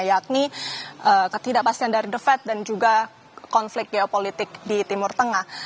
yakni ketidakpastian dari the fed dan juga konflik geopolitik di timur tengah